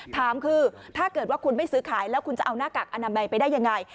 ถามคือถ้าเกิดว่าคุณไม่ซื้อขายแล้วคุณจะเอาหน้ากากอนามัยไปได้ยังไง